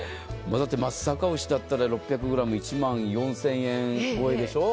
松阪牛だったら６００ｇ１万４０００円超えでしょ。